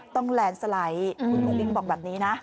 ต้องแลนด์สไลด์คุณโมกลิ้งบอกแบบนี้นะ